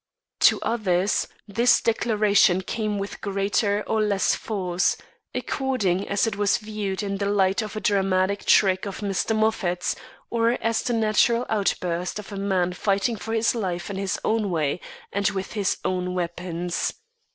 To others, this declaration came with greater or less force, according as it was viewed in the light of a dramatic trick of Mr. Moffat's, or as the natural outburst of a man fighting for his life in his own way and with his own weapons.